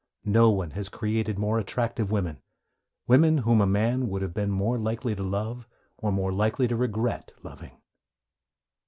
No one has created more attractive women, women whom a man would have been more likely to love, or more likely to regret loving.